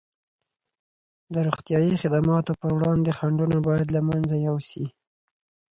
د روغتیايي خدماتو پر وړاندې خنډونه باید له منځه یوسي.